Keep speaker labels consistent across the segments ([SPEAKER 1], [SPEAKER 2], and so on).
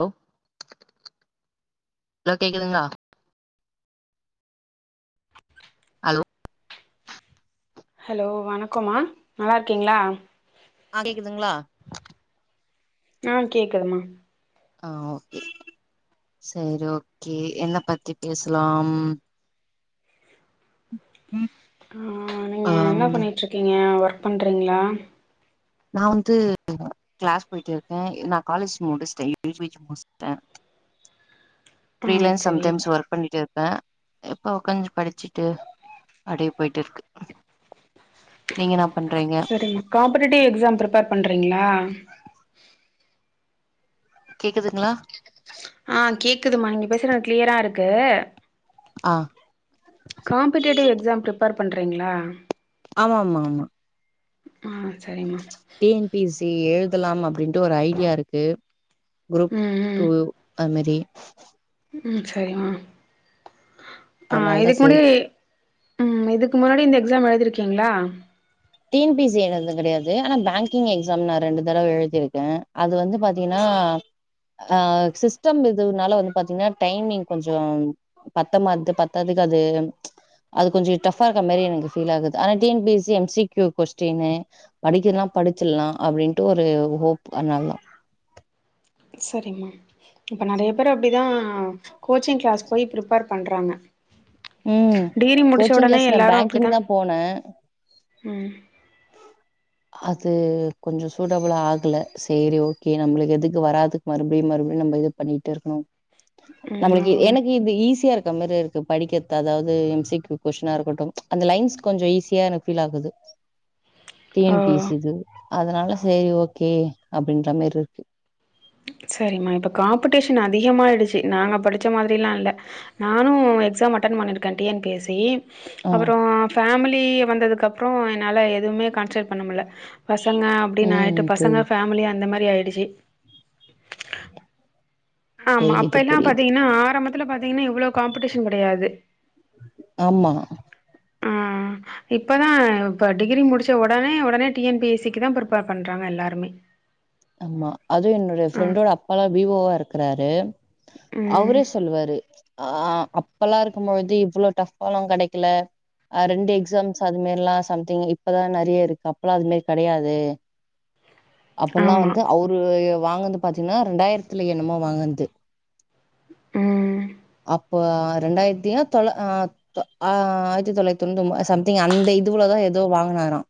[SPEAKER 1] Low hello கேக்குதுங்கலா hello
[SPEAKER 2] hello வணக்கமா நல்லா இருக்கீங்களா
[SPEAKER 1] ஆ கேக்குதுங்களா
[SPEAKER 2] ஆ கேக்குதமா
[SPEAKER 1] ஆ கே சரி ஓக்கே என்ன பத்தி பேசலாம் ம்
[SPEAKER 2] ஆ நீங்க என்ன பண்ணிட்டு இருக்கீங்க ஓர்க் பண்றீங்களா
[SPEAKER 1] நா வந்து கிளாஸ் போயிட்டு இருக்கேன் நான் காலேஜ் முடிஸ்டன் யூ ஜ ஜ முடிஸ்டன்
[SPEAKER 2] ஆ
[SPEAKER 1] பிரீ லன்ஸ்
[SPEAKER 2] சரி
[SPEAKER 1] சம்டைம்ஸ் ஒர்க் பண்ணிட்டு இரு கா இப்ப உ கொஞ்சம் படிச்சுட்டு அடே போயிட்டு இருக்கு நீங்க என்ன பண்றீங்க
[SPEAKER 2] சரிம் காம்படேட்டிவ் எக்ஸாம் ப்ரிப்பர் பண்றீங்களா
[SPEAKER 1] கேக்குதுங்களா
[SPEAKER 2] ஆ கேக்குதுமா நீங்க பேசுற கிளியரா இருக்கு
[SPEAKER 1] ஆ
[SPEAKER 2] காம்படேட்டிவ் எக்ஸாம் பிரிப் பர் பண்றீங்களா
[SPEAKER 1] ஆமா ஆமா ஆமா
[SPEAKER 2] ஆ சரிம்மா
[SPEAKER 1] டீ என் பி சி எழு தலாம் அப்டின்ட்டு ஒரு ஐடியா இருக்கு குரூப்
[SPEAKER 2] ம்
[SPEAKER 1] டூ
[SPEAKER 2] ம்
[SPEAKER 1] அமெரி
[SPEAKER 2] ம் சரிம்மா ஆ
[SPEAKER 1] அதனால தா
[SPEAKER 2] இதுக்கு
[SPEAKER 1] சரி
[SPEAKER 2] முடி உம் இதுக்கு முன்னாடி இந்த எக்ஸாம் எழுதியிருக்கீங்களா
[SPEAKER 1] டிஎன்பிசி எதுனது கிடயாது ஆனா பேங்கிங் எக்ஸாம் நான் ரெண்டு தடவ எழுதியிருக்கேன் அது வந்து பாத்தீங்கன்ன அ சிஸ்டம் இதுவுனால வந்து பாத்தீங்கன்னா டைமிங் கொஞ்சம் பத்த மாது பத்ததுக்கு அது அது கொஞ்சம் டாப்ஹா இருக்க மாரி எனக்கு பீல் ஆகுது ஆனா டிஎன்பிசி எம்சி டு கொஸ்டின்னு படிக்கலாம் படிச்சிலாம் அப்டின்ட்டு ஒரு ஹோப் அதனால தா
[SPEAKER 2] சரிங்கமா இப்ப நெறய பேர் அப்டிதான் ஆ கோச்சிங் கிளாஸ் போய் ப்ரிப்பேர் பண்றாங்க
[SPEAKER 1] உம்
[SPEAKER 2] டிகிரி முடிச்ச
[SPEAKER 1] கோச்சிங்
[SPEAKER 2] உடனே
[SPEAKER 1] கிளாஸ் நா
[SPEAKER 2] எல்லாரு
[SPEAKER 1] பேங்கிங்
[SPEAKER 2] அப்டிதா
[SPEAKER 1] தான் போனா
[SPEAKER 2] ம்
[SPEAKER 1] அது கொஞ்சம் சூட்டபிளா ஆகல சேரி ஓகே நம்மளுக்கு எதுக்கு வராதுக்கு மறுபடியும் மறுபடியும் நம்ம இது பண்ணிட்டு இருக்கணும் நம்மளுக்கு
[SPEAKER 2] ம்
[SPEAKER 1] எனக்கு இது ஈஸியா இரு க்க மாரி இருக்கு படிக்கிறது அதாவது எம்சி கொஸ்டினா இருக்கட்டும் அந்த லைன்ஸ் கொஞ்சம் ஈஸியா எனக்கு ஃபீல் ஆகுது டி
[SPEAKER 2] ஓ ஓ
[SPEAKER 1] என் பி எஸ் சி இது அதனால சேரி ஓகே அப்படின்ற மாரி இருக்கு
[SPEAKER 2] அதிகமாகிடுச்சு நாங்க படிச்ச மாரிலாம் இல்லை நானும் எக்ஸாம் அட்டன பண்ணிருக்கேன் T N P S C
[SPEAKER 1] ஆ
[SPEAKER 2] அப்றம் ஃபேமிலி குட்டி வந்ததுக்கு அப்றம் என்னால எதுவுமே கான்சன்ட் பண்ண முல்ல பசங்க அப்டின்னு ஆயிட்டு
[SPEAKER 1] ம் புரி
[SPEAKER 2] பசங்க ஃபேமிலி அந்த மாரி ப்டி ஆயிடுச்சு ஆமா
[SPEAKER 1] புரியுது
[SPEAKER 2] அப்ப எல்லாம்
[SPEAKER 1] புரியுது
[SPEAKER 2] பாத்தீங்னா ஆரம்பத்துல பாத்தீங்கன்னா எவ்வளவு காம்படிஷன் கெடையாது
[SPEAKER 1] ஆமா
[SPEAKER 2] ஆஹ் இப்பதான் இப்ப டிகிரி முடிச்ச ஒடனே ஒடனே டிஎன் பிஎஸ்சிக்கு தான் பிரிப்பேர் பண்றாங்க எல்லாருமே
[SPEAKER 1] ஆம்மா அதுவும் என்னோடைய
[SPEAKER 2] ஆ
[SPEAKER 1] ஃப்ரெண்டோட அப்பாலாம் வீவோவா இருக்க கறாரு
[SPEAKER 2] ம்
[SPEAKER 1] அவரே சொல்லுவாரு ஆ அப்பல்லாம் இருக்கும்பொழுது இவ்ளோ டஃப்பாலாம் கெடைக்கல ஆஹ் ரெண்டு எக்ஸாம்ஸ் அது மாரில்லாம் சம்திங் இப்பதான் நிறைய இருக்கு அப்பல்லாம் அது மாரி கெடையாது இப்பல்லாம்
[SPEAKER 2] ஆமா
[SPEAKER 1] வந்து அவரு வாங்கந்து பாத்தீங்கன்னா ரெண்டாயிரத்துல என்னமோ வாங்கது
[SPEAKER 2] ம்
[SPEAKER 1] அப் இப்போ ரெண்டாயிரத்தி தொளா ஆஹ் ஆஹ் ஆயிரத்தி தொள்ளாயத்தி தொண்ணூத்தி சம்திங் அந்த இதுவுலதான் ஏதோ வாங்குனாராம்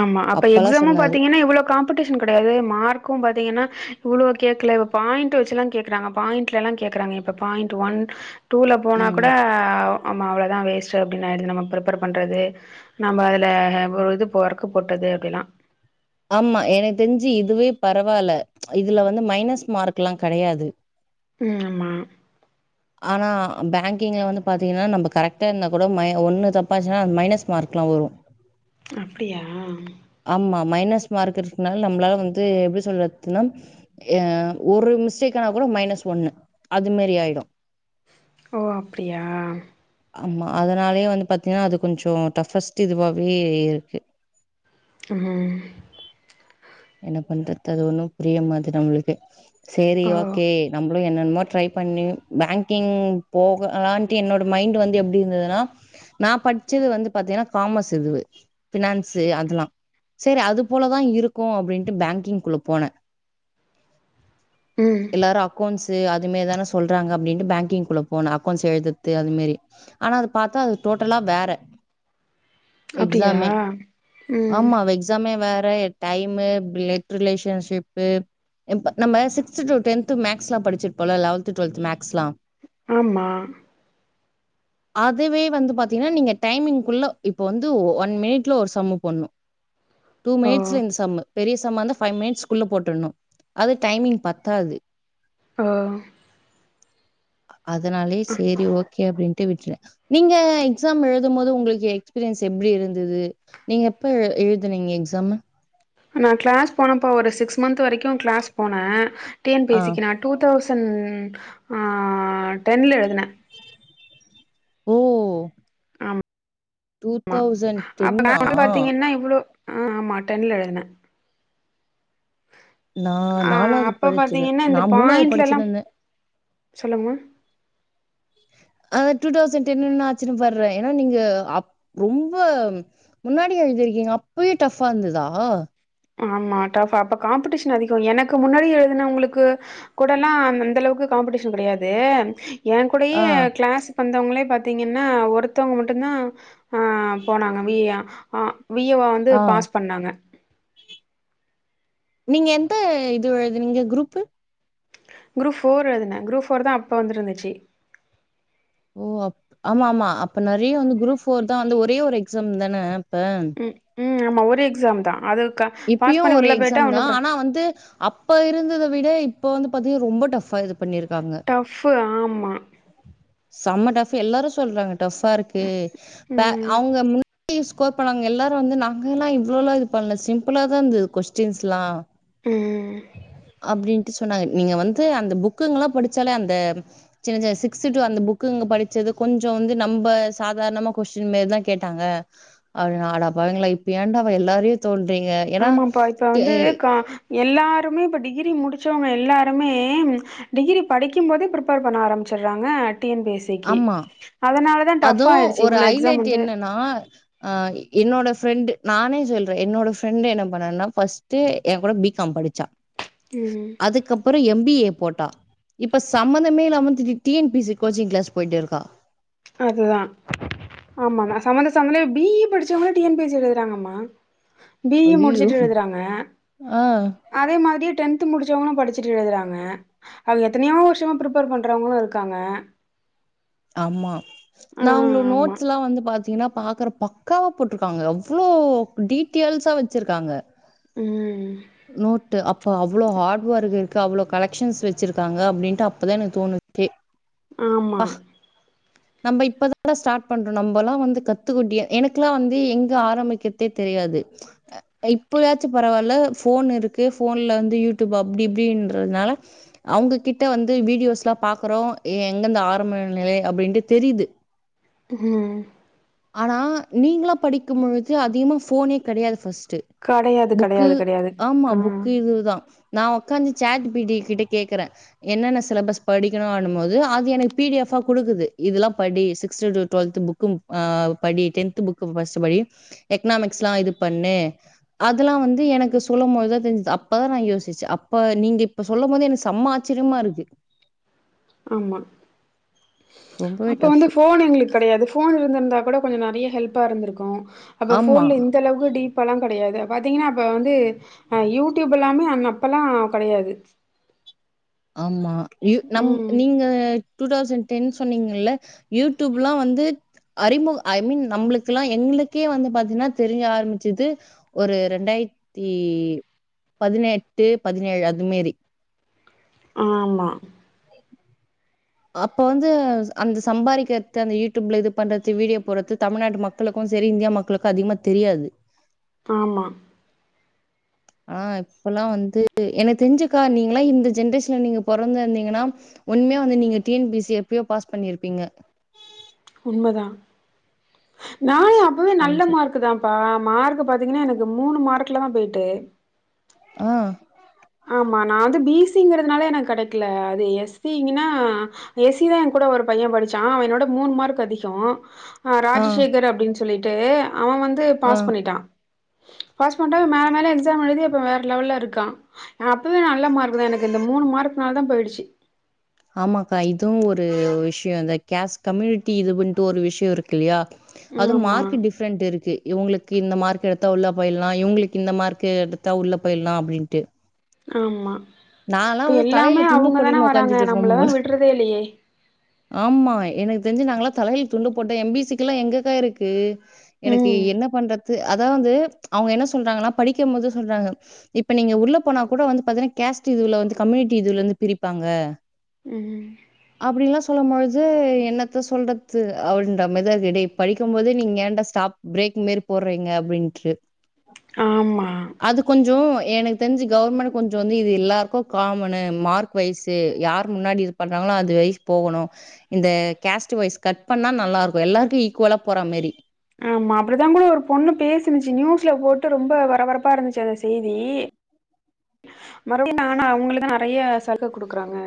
[SPEAKER 2] ஆமா அப்ப
[SPEAKER 1] அப்பல்லாம்
[SPEAKER 2] எக்ஸாமும்
[SPEAKER 1] சொன்னாரு.
[SPEAKER 2] பாத்தீங்கன்னா இவ்ளோ காம் காம்படிஷன் கிடையாது மார்க்கும் பாத்தீங்கன்னா இவ்ளோ கேட்கல இ பாயிண்ட் வச்சுல்லாம் கேக்குறாங்க பாயிண்ட்ல எல்லாம் கேக்குறாங்க இப்ப பாயிண்ட் ஒன் டூல போனா கூட
[SPEAKER 1] ம்.
[SPEAKER 2] ஆம்மா அவ்ளோதான் வேஸ்ட் அப்டின்னாரு நம்ம ப்ரிப்பர் பண்றது நம்ம அதுல ஒரு இது போறப் க்கு போட்டது அப்டிலாம்
[SPEAKER 1] ஆமா எனக்கு தெரிஞ்சு இதுவே பரவால்ல இதுல வந்து மைனஸ் மார்க்லாம் கெடையாது
[SPEAKER 2] ம் ஆமா
[SPEAKER 1] ஆனா பேங்கிங்ல வந்து பாத்தீங்கன்னா நம்ம கரெக்டா இருந்தா கூட ம ஒண்ணு தப்பாச்சுன்னா அது மைனஸ் மார்க்லாம் வுலும்
[SPEAKER 2] அப்டியா
[SPEAKER 1] மைனஸ் மார்க் இருக்குனால நம்மளால வந்து எப்டி சொல்றதுனா அஹ் ஒரு மிஸ்டேக் ஆனா கூட மைனஸ் ஒண்ணு அது மாரி ஆயிடும்
[SPEAKER 2] ஓ அப்டியா
[SPEAKER 1] ஆமா அதனாலயே வந்து பாத்தீங்கன்னா அது கொஞ்சம் டஃப்பஸ்ட் இதுவாவே இருக்கு
[SPEAKER 2] ம்
[SPEAKER 1] என்ன பண்றது அது ஒண்ணும் புரிய மாது நம்மளுக்கு சேரி
[SPEAKER 2] ஓ
[SPEAKER 1] ஓகே நம்ள என்னன்னமோ ட்ரை பண்ணி பேங்கிங் போக ஆன்ட்டி என்னோட மைண்ட் வந்து எப்டி இருந்ததுனா நான் பச்சது வந்து பாத்தீங்கன்னா காமஸ் இதுவ் பினான்சு அதுல்லாம் சேரி அது போல தான் இருக் கும் அப்பிடின்ட்டு பேங்கிங் குழு போனே
[SPEAKER 2] ம்
[SPEAKER 1] எல்லாரும் அக்கோன்ஸ் அது மேரி தானே சொல்றாங்க அப்படின்ட்டு பேங்கிங் குள்ள போனே அக்கௌண்ஸ் எழுதரது அது மேரி அது பாத்தா டோட்டலா வேற
[SPEAKER 2] அப்டியா
[SPEAKER 1] எக்ஸாமே
[SPEAKER 2] ம்
[SPEAKER 1] ஆமா எக்ஸாமே வேற ஃப்ரேய டைமு பிளெட் ரிலேஷன்ஷிப்பு இப்ப நம்ம சிக்ஸ்து டூ டென்து மேக்ஸ்லாம் படிச்சு இருப்போன்ல லெவன்த் டூவெல்த் மேக்ஸ்லாம்
[SPEAKER 2] ஆமா
[SPEAKER 1] அதுவே வந்து பாத்தீங்கன்னா நீங்க டைமிங்க்குள்ள இப்ப வந்து ஒன் மினிட்ல ஒரு சம்மு போன்னும் டூ
[SPEAKER 2] ஓ
[SPEAKER 1] மேட் சிலே இந்த சம்மு பெரிய சம்மு வந்து ஃபைவ் மினிட்ஸ் குள்ள போட்டுணும் அது டைமிங் பத்தாது
[SPEAKER 2] ஹ
[SPEAKER 1] அதுனாலே சேரி ஓ கே அப்படின்ட்டு விட்டுறேன் நீங்க எக்ஸாம் எழுதும் போது உங்களுக்கு எக்ஸ்பீரியன்ஸ் எப்படி இருந்தது நீங்க எப்ப எழுதுனிங்க எக்ஸாமு
[SPEAKER 2] நான் கிளாஸ் போனப்ப ஒரு சிக்ஸ் மந்த் வரைக்கும் கிளாஸ் போன டி என்
[SPEAKER 1] ஆ
[SPEAKER 2] பிசிக்கு நா டூ தௌசண் ன் ஆ டென்ல எழுதுனே
[SPEAKER 1] ஓ
[SPEAKER 2] ஆம்
[SPEAKER 1] டூ
[SPEAKER 2] ஆமா
[SPEAKER 1] தௌசண்ட்
[SPEAKER 2] அப்ப
[SPEAKER 1] டென்னா
[SPEAKER 2] [inaudible] பாத்தீங்கின்னா இவ்வளோ ஆமா டென்ல எழுதுனே
[SPEAKER 1] நான்
[SPEAKER 2] அஹ
[SPEAKER 1] நாலாவது
[SPEAKER 2] அப்ப
[SPEAKER 1] படிச்சிருந்தேன்
[SPEAKER 2] பாத்தீங்கின்னா இந்த
[SPEAKER 1] நான் மூணாவது
[SPEAKER 2] பாயிண்ட்ல எல்லாம்
[SPEAKER 1] படிச்சிருந்தேன்
[SPEAKER 2] சொல்லுங்கமா
[SPEAKER 1] ஆ டூ தௌசண்ட் டென்னுனா ஆச்சிற படுறேன் ஏன்னா நீங்க ரொம்ப முன்னாடி எழுதியிருக்கீங்க அப்பயே டஃப்பா இருந்ததா
[SPEAKER 2] ஆமா டப் அப்ப காம்பிடிஷன் அதிகம் எனக்கு முன்னாடி எழுதுன வங்களுக்கு கூட எல்லா அந்த அளவுக்கு காம்பிடிஷன் கிடையாது என் கூடயே
[SPEAKER 1] ஆ,
[SPEAKER 2] கிளாஸ் வந்தவங்களே பாத்தீங்கின்னா ஒருத்தவங்க மட்டும் தான் ஆ போனாங்க வியா ஆ விஏவா வந்து
[SPEAKER 1] ஆ.
[SPEAKER 2] பாஸ் பண்ணாங்க
[SPEAKER 1] நீங்க எந்த இது எழுதுனிங்க குரூப்பு
[SPEAKER 2] குரூப் போர் எழுதுனே குரூப் போர் தா அப்ப வந்திருந்துச்சு
[SPEAKER 1] ஓ ஆமா ஆமா அப்ப நெறைய வந்து குரூப் போர் தான் வந்து ஒரே ஒரு எக்ஸாம் தான ப
[SPEAKER 2] ம் ம் ஆமா ஒரு எக்ஸாம் தான் அது க பாஸ்
[SPEAKER 1] இப்பியும்
[SPEAKER 2] பண்ணி
[SPEAKER 1] ஒரு
[SPEAKER 2] உள்ள போயிட்டா
[SPEAKER 1] எக்ஸாம்
[SPEAKER 2] ஒன்னு
[SPEAKER 1] தான்
[SPEAKER 2] பிர
[SPEAKER 1] ஆனா வந்து அப் அப்ப இருந்ததை விட இப்போ வந்து பாத்தீங்கா ரொம்ப டஃப் ஆது
[SPEAKER 2] டஃப்பு ஆமா
[SPEAKER 1] செம்ம டஃப் எல்லாரும் சொல்றாங்க டஃப்பா இருக்கு ப
[SPEAKER 2] ம்
[SPEAKER 1] அவுங்க ஸ்கோர் எல்லாரும் வந்து நாங்க எல்லாம் இவ்ளோலாம் இது பண்ணல சிம் ஃபுல்லா தான் இருந்தது கொஸ்டின்ஸ் லாம்
[SPEAKER 2] ம்ம் ம்
[SPEAKER 1] சொன்னாங்க நீங்க வந்து அந்த புக்குங்கலா படிச்சாலே அந்த சின்ன சின்ன சிக்ஸ் டூ அந்த படிச்சது கொஞ்சம் வந்து நம்ப சாதாரணமா கொஸ்டின்ல தான் கேட்டாங்க அட பாவிங்களா இப்பயாண்டா அவ எல்லாரையும் சொல்
[SPEAKER 2] ஆமாப்பா இப்ப வந்து கா எல்லோருமே இப்போ டிகிரி முடித்தவங்க எல்லாருமே டிகிரி படிக்கு போதே ப்ரிப்பேர் பண்ண ஆரம்பிச்சிடுறாங்க டிஎபிஎஸ்சிக்கு
[SPEAKER 1] ஆமா
[SPEAKER 2] அதனால தான் டஃப்
[SPEAKER 1] அதுவு
[SPEAKER 2] ஆயிடுச்சு
[SPEAKER 1] ஒரு
[SPEAKER 2] இவ்ளோஎக்ஸாம்
[SPEAKER 1] ஹைலைட்
[SPEAKER 2] வந்து
[SPEAKER 1] என்னன்னா ஆ என்னோட ஃரெண்ட் நானே சொல்றேன் என்னோட ஃப்ரெண்ட் என்ன பண்ணான்னா ஃபர்ஸ்ட் என் கூட பிகாம் படிச்சா
[SPEAKER 2] ம்
[SPEAKER 1] அதுக்கப்புறம் எம்பி ஏ போட் டா இப்ப சம்பந்தமே இல்லாம வந்து T N P S C coaching class போய்டிருக்கா
[SPEAKER 2] அதுதான் ஆமா சம்பந்த சமபந்த பி இ படிச் ச வுங்க டிஎன்பிஎஸ்சி எழுதுறாங்கம்மா பிஇஇ
[SPEAKER 1] ஐயயோ
[SPEAKER 2] முடிச்சுட்டு எழுதுறாங்க
[SPEAKER 1] ஆ
[SPEAKER 2] அதே மாரி டென்த் முடிச்சவங்களும் படிச்சிட்டு எழுதுறாங்க அவுங்க எத்தனையோ வருஷமா பிரிப்பேர் பண்றவங்களும் இருக்காங்க
[SPEAKER 1] ஆமா
[SPEAKER 2] ஆ
[SPEAKER 1] நான் அவுங்களோட
[SPEAKER 2] ஆமா
[SPEAKER 1] நோட்ஸ் எல்லாம் வந்து பாத்தீங்கன்னா பாக்குற பக்காவா போட்டிருக்காங்க அவ்வளோ டீட்டெயில்ஸா வச்சிருக்காங்க
[SPEAKER 2] ம்ம்
[SPEAKER 1] நோட்டு அப் இப்ப அவ்ளோ ஹார்ட் ஒர்க் இருக்கு அவ்ளோ கலெக்ஷன்ஸ் வச்சிருக்காங்க அப்படின்ட்டு அப்பதான் எனக்கு தோணுத்தே
[SPEAKER 2] ஆமா
[SPEAKER 1] நம்ம இப்ப தாடா ஸ்டார்ட் பண்றோம் நம்ம எல்லாம் வந்து கத்துக்குட்டியே எனக்குெல்லாம் வந்து எங்க ஆரம்பிக்கறதே தெரியாது இப்பயாச்சும் பரவாயில்ல போன் இருக்கு போன்ல வந்து யூடியூப் அப்படி இப்படின்றதுனால அவுங்க கிட்ட வந்து வீடியோஸ் எல்லாம் பாக்குறோம் எங்கருந்து ஆரம்ப நிலை அப்படின்ட்டு தெரியுது
[SPEAKER 2] ம்
[SPEAKER 1] ஆனால் நீங்களாம் படிக்கும் பொழுது அதிகமாக ஃபோனே கிடையாது ஃபர்ஸ் டு
[SPEAKER 2] கடையாது
[SPEAKER 1] புக்கு
[SPEAKER 2] கடையாது கடையாது
[SPEAKER 1] ஆமா
[SPEAKER 2] ஆ
[SPEAKER 1] புக்கு இதுதான் நான் உக்காந்து சேட் பீடி இது கிட்ட கேக்குறேன் என்னென்ன சிலபஸ் படிக்கணும் போது அது எனக்கு பிடியப்பா குடுக்குது இதெல்லாம் படி சிக்ஸ்த் டூ ட்வெல்த் புக்கும் ஆஹ் படி டென்த் புக்கு ஃபர்ஸ்ட்ட் படி எக்கனாமிக்ஸ் எல்லாம் இது பண்ணு அதெல்லாம் வந்து எனக்கு சொல்லும் போது தான் தெரிஞ்சுது அப்பதான் நான் யோசிச்சேன் அப்ப நீங்க இப்ப சொல்லும் போது எனக்கு செம்ம ஆச்சரியமா இருக்கு
[SPEAKER 2] ஆமா
[SPEAKER 1] ரொம்பவே
[SPEAKER 2] அப்ப
[SPEAKER 1] டஃப்.
[SPEAKER 2] வந்து போன் எங்களுக்கு கடையாது ஃபோன் இருந்திருந்தால் கூட கொஞ்சம் நறைய ஹெல்ப்பா இருந்திருக்கும் அப்ப
[SPEAKER 1] ஆமா.
[SPEAKER 2] போன்ல இந்த அளவுக்கு டீப்பா எல்லாம் கடையாது பாத்தீங்கன்னா அப்ப வந்து யூடியூப் எல்லாமே அப்பல்லாம் கிடையாது
[SPEAKER 1] ஆமா யூ நம் நீங்க டூ தௌசண்ட் டென் சொன்னீங்கல்ல யூடியூப் எல்லாம் வந்து அறிமுக ஐ மீன் நம்மளுக்கு எல்லாம் எங்களுக்கே வந்து பாத்தீங்கன்னா தெரிய ஆரம்பிச்சது ஒரு ரெண்டாயிரத்தி பதினெட்டு பதினேழு அதுமாறி
[SPEAKER 2] ஆமா
[SPEAKER 1] அப்ப வந்து அந்த சம்பாதிக்கிறது அந்த யூடியூப்ல இது பண்றது வீடியோ போடுறது தமிழ்நாட்டு மக்களுக்கும் சரி இந்தியா மக்களுக்கும் அதிகமா தெரியாது
[SPEAKER 2] ஆமா
[SPEAKER 1] ஆஹ் இப்பல்லாம் வந்து எனக்கு தெரிஞ்சுக்கா நீங்கல்லாம் இந்த ஜென்ரேஷன்ல நீங்க பிறந்த இருந்தீங்கன்னா உண்மையா வந்து நீங்க டீஎன்பிசி எப்பயோ பாஸ் பண்ணியிருப்பீங்க
[SPEAKER 2] உண்மைதான் நானும் அப்பவே நல்ல
[SPEAKER 1] கொஞ்சம்
[SPEAKER 2] மார்க் தான்ப்பா மார்க் பாத்தீங்கன்னா எனக்கு மூணு மார்க்ல தான் போயிருக்கு டே
[SPEAKER 1] ஆ
[SPEAKER 2] ஆமா நான் வந்து பிசிங்கிறதுனால எனக்கு கிடைக்கல அது எஸ்சின்னா எஸ்சி தான் என் கூட ஒரு பையன் படிச்சான் அவனோட மூணு மார்க் அதிகம் ஆஹ
[SPEAKER 1] ஆ,
[SPEAKER 2] ராஜசேகர் அப்படின்னு சொல்லிட்டு அத்தே அவன் வந்து
[SPEAKER 1] ஆ.
[SPEAKER 2] பாஸ் பண்ணிட்டான் பாஸ் பண்டா மேல மேல எக்ஸாம் எழுதி இப்ப வேற லெவல்ல இருக்கான் அப்போதான் நல்ல மார்க் தான் எனக்கு இந்த மூணு மார்க்னால தான் போயிடுச்சு
[SPEAKER 1] ஆமாக்கா இதுவும் ஒரு விஷயம் தா கேஸ்ட் கம்யூனிட்டி இதுவுன்டு ஒரு விஷயம் இருக்கு இல்லையா அதுவும்
[SPEAKER 2] ஆமா
[SPEAKER 1] மார்க் டிஃப்ரெண்ட் இருக்கு இவுங்களுக்கு இந்த மார்க் எடுத்தா உள்ள போயில்லாம் இவங்களுக்கு இந்த மார்க் எடுத்தா உள்ள போயில்லாம் அப்டின்ட்டு
[SPEAKER 2] ஆமா இப்ப எல்லாமே
[SPEAKER 1] தலையில துண்டு
[SPEAKER 2] அவுங்கதான
[SPEAKER 1] போட்டுன்னு
[SPEAKER 2] வராங்க
[SPEAKER 1] உட்காந்துட்டு இருக்கோம்
[SPEAKER 2] நம்மளதா
[SPEAKER 1] போல
[SPEAKER 2] விட்றதே இல்லையே
[SPEAKER 1] ஆமா எனக்கு தெரிஞ்சு நாங்களாம் தலையில துண்டு போட்டு எம்பிசிக்கு எல்லாம் எங்கக்கா இருக்கு எனக்கு
[SPEAKER 2] ம்
[SPEAKER 1] என்ன பண்றத் அதாவதுஅவுங்க என்ன சொல்றாங்கன்னா படிக்கும் போது சொல்றாங்க இப்ப நீங்க உள்ள போனா கூட வந்து பாத்திங்கனா கேஸ்ட் இதுல வந்து கம்யூனிட்டி இதுலருந்து பிரிப்பாங்க
[SPEAKER 2] ம்
[SPEAKER 1] அப்படிலாம் சொல்லும்பொழுது என்னத்த சொல்றது அப்படின்ற மேரிதா எடே படிக்கும் போதே நீங்க ஏண்டா ஸ்டாப் பிரேக் மாறி போடுறீங்க அப்டின்ட்டு
[SPEAKER 2] ஆமா
[SPEAKER 1] கொஞ்சும் எனக்கு தெரிஞ்சு கவர்மெண்ட் கொஞ்ச இதுவந்து இது எல்லாருக்கும் காமனு மார்க் வைஸ்சு யார் முன்னாடி இது பண்றாங்களோ அது வைஸ்போகணும் இந்த கேஸ்ட் வைஸ் கட் பண்ணா நல்லா இருக்கும் எல்லாருக்கும் ஈக்குவலா போற மெரி
[SPEAKER 2] ஆம்மா அப்புறதான்போல ஒரு பொண்ணு பேசினுச்சு நியூஸ்ல போட்டு போட்டு ரொம்ப பரபரப்பா இருந்துச்சு அந்த செய்தி மறுபடியும் நான்னா அவங்களுக்குதான் நிறைய சலுகை குடுக்குறாங்க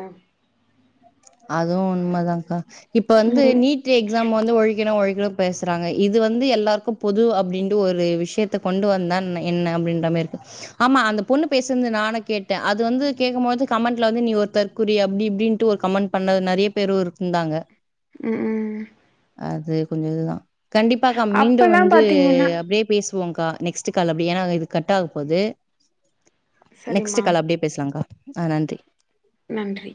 [SPEAKER 1] அதுவும் உண்மைதாக்கா இப்ப வந்து
[SPEAKER 2] ம்
[SPEAKER 1] நீட் எக்ஸாம் வந்து ஒழிக்கணும் ஒழிக் இவ்ளோ பேசுறாங்க இது வந்து எல்லாருக்கும் பொது அப்பிடின்டு ஒரு விஷயத்த கொண்டு வந்தா என்ன அப்டின்றமேரி இருக்கு ஆமா அந்த பொண்ணு பேசந்து நானு கேட்டன் அது கேக்கும் போது கமெண்ட் லநீ ஒரு தற்குறி அப்டி இப்டிண்ட்டு ஒரு கமெண்ட் பண்ணது நறைய பேரும் ஒருத் இருந்தாங்க
[SPEAKER 2] உம் உம்
[SPEAKER 1] அது கொஞ்ச இதுதான் கண்டிப்பாக்கா மீண்டும்
[SPEAKER 2] அப்பல்லாம்
[SPEAKER 1] வந்து
[SPEAKER 2] பாத்தீங்கன்னா
[SPEAKER 1] அப்டியே பேசுவோம் ப நெக்ஸ்ட் கால் அப்டி ஏன்னா இது கட் ஆக போது
[SPEAKER 2] சரிம்மா
[SPEAKER 1] நெக்ஸ்டு கால அப்டியே பேசுலாங்கா ஆஹ் நன்றி
[SPEAKER 2] நன்றி